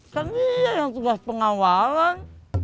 kan iya yang tugas pengawalan